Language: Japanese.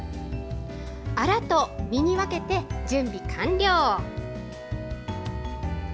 アラと身に分けて準備完了。